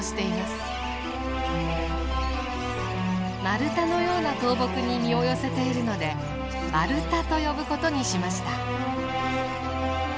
丸太のような倒木に身を寄せているので「マルタ」と呼ぶことにしました。